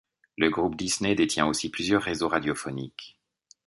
Le groupe Disney détient aussi plusieurs réseaux radiophoniques.